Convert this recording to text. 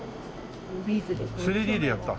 ３Ｄでやった。